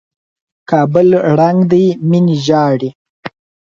کابل ړنګ دى ميني ژاړي